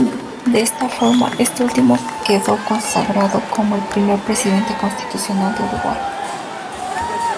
De esta forma, este último quedó consagrado como el primer presidente constitucional de Uruguay.